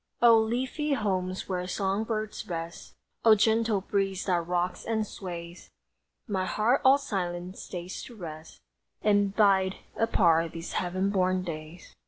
O leafy homes where song birds rest; O gentle breeze that rocks and sways! My heart all silent stays to rest And bide apart these heaven born days!